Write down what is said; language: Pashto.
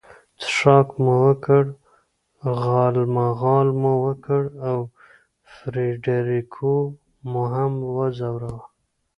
څښاک مو وکړ، غالمغال مو وکړ او فرېډریکو مو هم وځوراوه.